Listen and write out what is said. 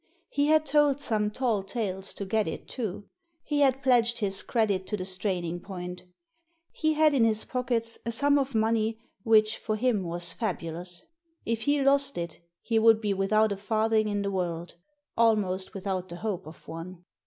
He had told some tall tales to get it too. He had pledged his credit to the straining point He had in his pockets a sum of money which for him was fabulous. If he lost it he would be without a farthing in the world, almost without the hope of one.